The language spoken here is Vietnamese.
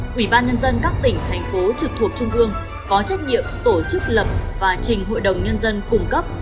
quỹ ban nhân dân các tỉnh thành phố trực thuộc trung ương có trách nhiệm tổ chức lập và trình hội đồng nhân dân cung cấp